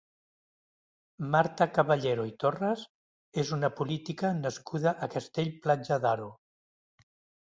Marta Caballero i Torres és una política nascuda a Castell-Platja d'Aro.